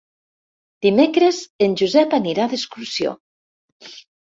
Dimecres en Josep anirà d'excursió.